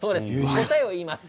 答えを言います。